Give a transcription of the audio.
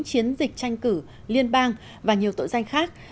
chiến dịch tranh cử liên bang và nhiều tội danh khác